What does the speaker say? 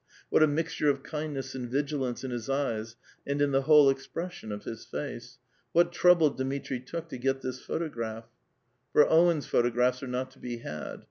what a mixture of kindness and vigilance iu his eyes and in the whole expression of his face ! what trouble Dmitri took to get this pliotograph ! for Owen's photographs are not to be had.